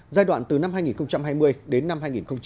giai đoạn từ năm hai nghìn hai mươi đến năm hai nghìn hai mươi